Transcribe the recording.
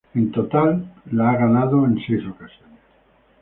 En total, la ha ganado en seis ocasiones.